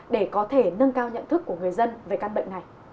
để có thể nâng cao nhận thức của người dân về căn bệnh này